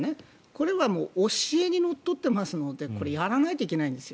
これは教えにのっとっていますのでやらないといけないんです。